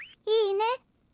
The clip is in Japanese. いいね？